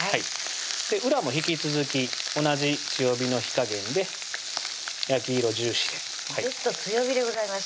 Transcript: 裏も引き続き同じ強火の火加減で焼き色重視でずっと強火でございます